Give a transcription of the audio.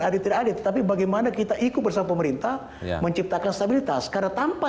adik adik tapi bagaimana kita ikut bersama pemerintah menciptakan stabilitas karena tanpa